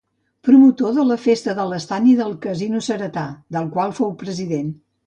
Promotor de la Festa de l’Estany i del Casino Ceretà, del qual fou president.